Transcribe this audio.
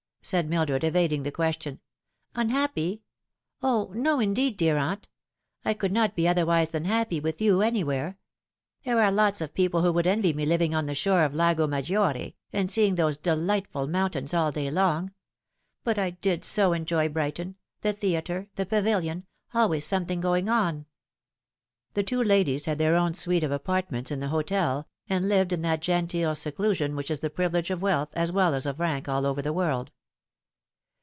said Mildred, evading the question. " Unhappy ? O, no, indeed, dear aunt ? I could not be otherwise than happy with you anywhere. There are lots of people who would envy me living on the shore of Lago Maggiore, and seeing those delightful mountains all day long ; but I did so enjoy Brighton the theatre, the Pavilion : always something going on." The two ladies had their own suite of apartments in the hotel, and lived in that genteel seclusion which is the privilege of wealth as well as of rank all over the world.